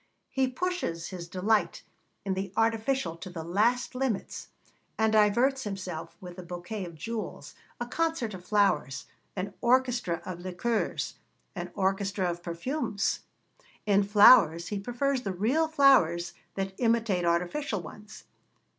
He pushes his delight in the artificial to the last limits, and diverts himself with a bouquet of jewels, a concert of flowers, an orchestra of liqueurs, an orchestra of perfumes. In flowers he prefers the real flowers that imitate artificial ones.